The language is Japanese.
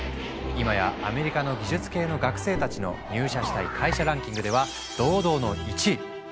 今やアメリカの技術系の学生たちの入社したい会社ランキングでは堂々の１位。